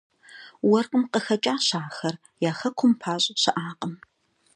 Уэркъым къыхэкӀащ ахэр, я хэкум пащӀ щыӀакъым.